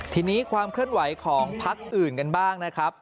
ทีนี้ความเคลื่อนไหวของพักอื่นกันบ้างนะครับ